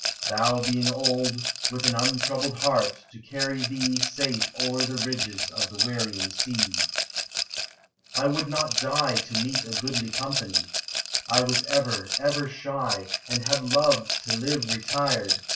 Thou being old, With an untroubled heart to carry thee Safe o'er the ridges of the wearying sea. I WOULD not die To meet a goodly company ; I was ever, ever shy. And have loved to live retired.